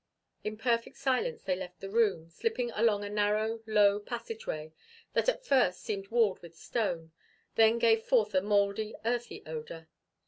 In perfect silence they left the room, slipping along a narrow, low passageway that at first seemed walled with stone, then gave forth a moldy, earthy odor.